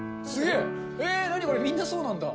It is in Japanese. えー、何これ、みんなそうなんだ。